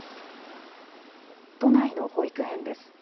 都内の保育園です。